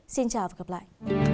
xin chào và gặp lại